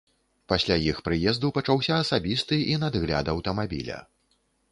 Пасля іх прыезду пачаўся асабісты і надгляд аўтамабіля.